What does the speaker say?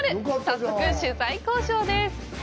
早速、取材交渉です。